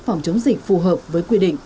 phòng chống dịch phù hợp với quy định